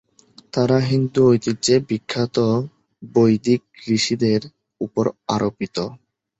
তারা হিন্দু ঐতিহ্যে বিখ্যাত বৈদিক ঋষিদের উপর আরোপিত।